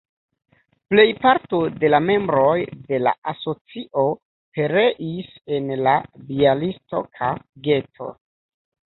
Plejparto de la membroj de la asocio pereis en la bjalistoka geto.